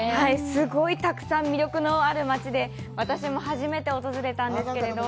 すごいたくさん魅力のある町で、私も初めて訪れたんですけれども。